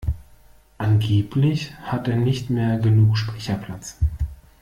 Angeblich hat er nicht mehr genug Speicherplatz.